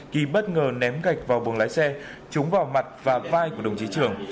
kỳ bất ngờ ném gạch vào buồng lái xe trúng vào mặt và vai của đồng chí trưởng